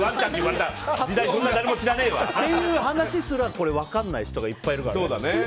そんな誰も知らないわ。という話すら分からない人がいっぱいいるからね。